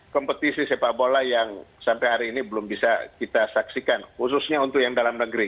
kompetisi sepak bola yang sampai hari ini belum bisa kita saksikan khususnya untuk yang dalam negeri